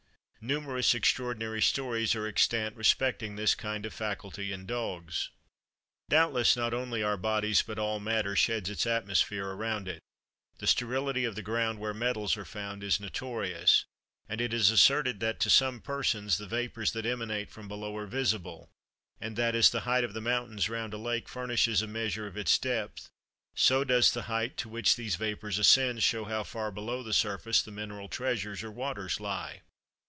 Numerous extraordinary stories are extant respecting this kind of faculty in dogs. Doubtless not only our bodies, but all matter, sheds its atmosphere around it; the sterility of the ground where metals are found is notorious; and it is asserted that, to some persons, the vapors that emanate from below are visible, and that, as the height of the mountains round a lake furnishes a measure of its depth, so does the height to which these vapors ascend show how far below the surface the mineral treasures or the waters lie.